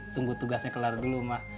tunggu tugasnya kelar dulu mah